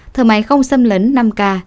thở máy không xâm lấn năm ca